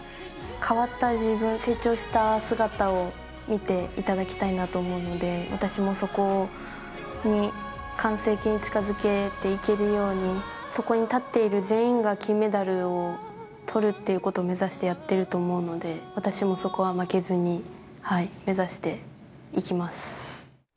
変わった自分を成長した姿を見ていただきたいなと思うので、私もそこに近づけていけるように、そこに立っている全員が金メダル取るっていうことを目指してやってると思うので、私もそこは負けずに目指していきます。